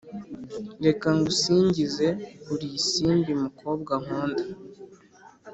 Reka ngusingize uri isimbi mukobwa nkunda